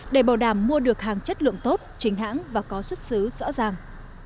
để bảo đảm mua được hàng chất lượng tốt chính hãng và có xuất xứ rõ ràng